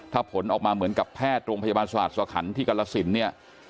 ถ้าผลออกมาเหมือนกับแพทย์โรงพยาบาลสหัสสคันที่กรสินเนี่ย